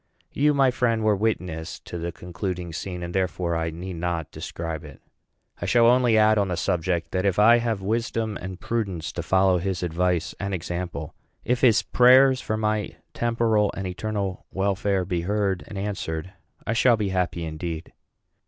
You, my friend, were witness to the concluding scene; and, therefore, I need not describe it. I shall only add on the subject, that if I have wisdom and prudence to follow his advice and example, if his prayers for my temporal and eternal welfare be heard and answered, I shall be happy indeed.